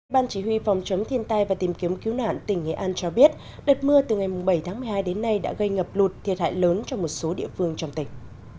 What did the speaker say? ban chỉ huy phòng chống thiên tai và tìm kiếm cứu nạn tỉnh nghệ an cho biết đợt mưa từ ngày bảy tháng một mươi hai đến nay đã gây ngập lụt thiệt hại lớn cho một số địa phương trong tỉnh